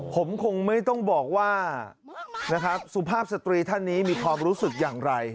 ผมคงไม่ต้องบอกว่านะครับสุภาพสตรีท่านนี้มีความรู้สึกอย่างไร